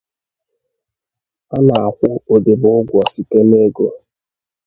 a na-akwụ odibo ụgwọ site n’ego